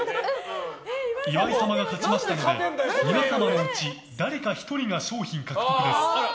岩井様が勝ちましたので皆様のうち誰か１人が賞品獲得です。